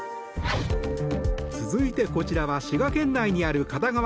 続いて、こちらは滋賀県内にある片側